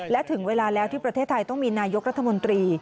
และถึงเวลาแล้วที่ประเทศไทยต้องมีนายกรัฐมนตรี